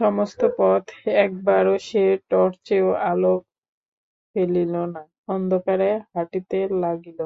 সমস্ত পথ একবারও সে টর্চেও আলো ফেলিল না, অন্ধকারে হাঁটিতে লাগিল।